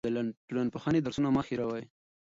د ټولنپوهنې درسونه مه هېروئ.